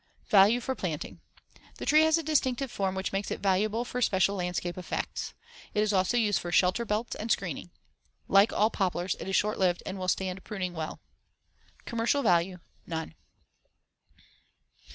Value for planting: The tree has a distinctive form which makes it valuable for special landscape effects. It is also used for shelter belts and screening. Like all poplars it is short lived and will stand pruning well. Commercial value: None.